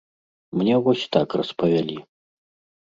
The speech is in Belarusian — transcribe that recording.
Мне вось так распавялі.